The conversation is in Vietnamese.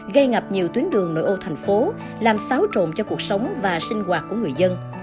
gây ngập nhiều tuyến đường nội ô thành phố làm xáo trộn cho cuộc sống và sinh hoạt của người dân